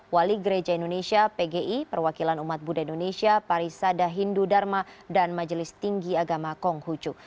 wali gereja indonesia pgi perwakilan umat buddha indonesia parisada hindu dharma dan majelis tinggi agama konghucu